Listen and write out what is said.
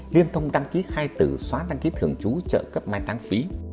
liên thông đăng ký khai tử xóa đăng ký thường trú trợ cấp mai tăng phí